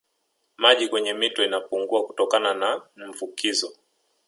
Maji kwenye mito inapungua kutokana na mvukizo